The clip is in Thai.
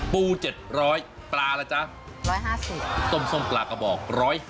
ปู๗๐๐ปลาล่ะจ๊ะ๑๕๐ส้มปลากระบอก๑๑๐